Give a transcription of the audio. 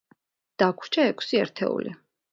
დაგვრჩა ექვსი ერთეული.